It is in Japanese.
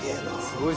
すごい。